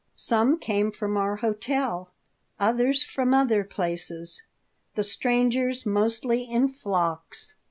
Some came from our hotel, others from other places, the strangers mostly in flocks.